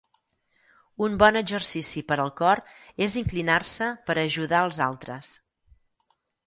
Un bon exercici per al cor és inclinar-se per a ajudar els altres.